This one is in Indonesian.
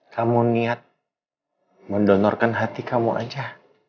kamu niat mendonorkan hati kamu aja